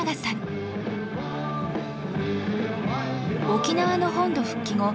沖縄の本土復帰後